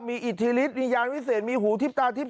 มีอิฐีฤทธิ์มีญาณวิเศษมีหูทิพย์ตาทิพย์